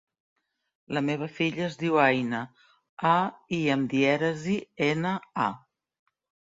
La meva filla es diu Aïna: a, i amb dièresi, ena, a.